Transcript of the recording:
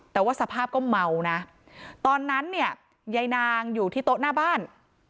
แต่ว่าสภาพก็เมานะตอนนั้นเนี่ยยายนางอยู่ที่โต๊ะหน้าบ้าน